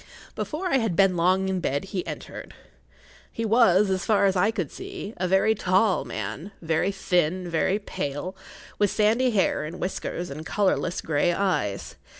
Before I had been long in bed[Pg 19] he entered. He was, as far as I could see, a very tall man, very thin, very pale, with sandy hair and whiskers and colourless grey eyes.